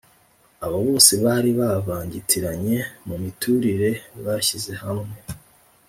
Abo bose bari bavangitiranye mu miturire bashyize hamwe.